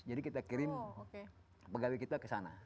jadi kita kirim pegawai kita ke sana